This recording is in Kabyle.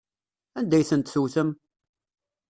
Anda ay tent-tewtem?